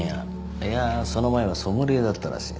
いやその前はソムリエだったらしい。